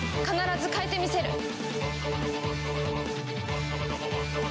必ず変えてみせる！